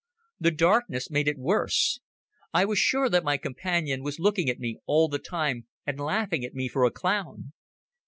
The darkness made it worse. I was sure that my companion was looking at me all the time and laughing at me for a clown.